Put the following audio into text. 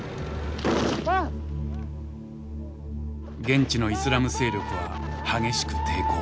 現地のイスラム勢力は激しく抵抗。